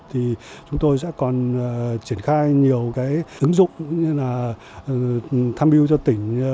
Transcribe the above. thì chúng tôi sẽ còn triển khai nhiều ứng dụng như là tham mưu cho tỉnh